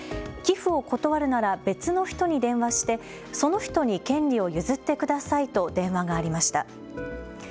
寄付を断るなら別の人に電話してその人に権利を譲ってくださいと電話がありました。